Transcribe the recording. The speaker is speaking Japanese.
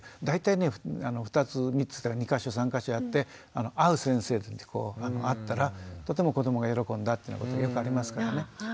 大体ね２つ３つ２か所３か所やって合う先生に会ったらとても子どもが喜んだっていうようなことよくありますからね。